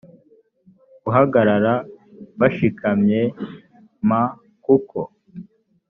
guhagarara bashikamye m kuko